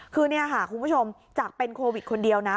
คือคุณผู้ชมจากเป็นโควิดคนเดียวนะ